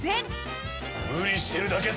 無理してるだけさ。